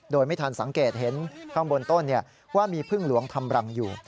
โดยไม่ทันสังเกตเห็นข้างบนต้นว่ามีพึ่งหลวงทำรังอยู่